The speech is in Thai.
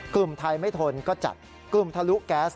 กลุ่มไทยไม่ทนก็จัดกลุ่มทะลุแก๊ส